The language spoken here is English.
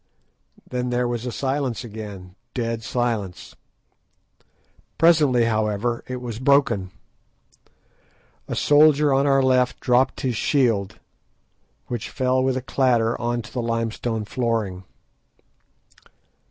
_" Then there was silence again—dead silence. Presently, however, it was broken. A soldier on our left dropped his shield, which fell with a clatter on to the limestone flooring.